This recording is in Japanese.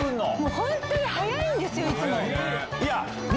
本当に早いんですよいつも。